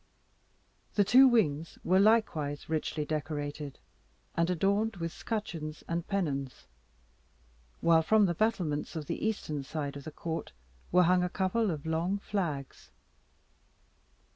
The two wings were likewise richly decorated, and adorned with scutcheons and pennons, while from the battlements of the eastern side of the court were hung a couple of long flags.